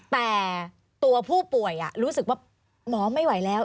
แต่ตัวผู้ป่วยรู้สึกว่าหมอไม่ไหวแล้ว